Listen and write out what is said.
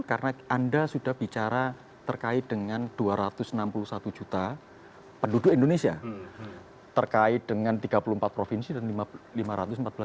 karena anda sudah bicara terkait dengan dua ratus enam puluh satu juta ruu yang sudah diperoleh di dabil